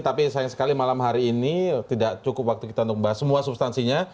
tapi sayang sekali malam hari ini tidak cukup waktu kita untuk membahas semua substansinya